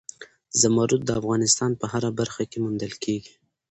زمرد د افغانستان په هره برخه کې موندل کېږي.